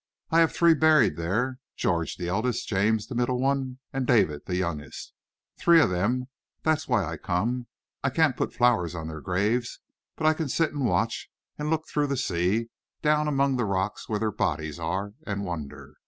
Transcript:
I have three buried there: George, the eldest; James, the middle one; and David, the youngest. Three of them that's why I come. I can't put flowers on their graves, but I can sit and watch and look through the sea, down among the rocks where their bodies are, and wonder."